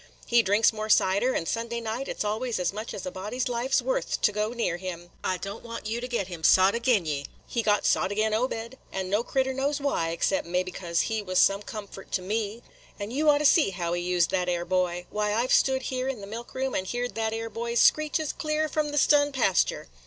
He drinks more cider; and Sunday night it 's always as much as a body's life 's worth to go near him. I don't want you to get him sot agin ye. He got sot agin Obed; and no critter knows why, except mebbe 'cause he was some comfort to me. And ye oughter seen how he used that 'ere boy. Why, I 've stood here in the milk room and heerd that 'ere boy's screeches clear from the stun pastur' .